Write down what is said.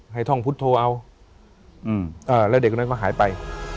ให้ท่องพุทธโทรเอาอืมอ่าแล้วเด็กคนนั้นก็หายไป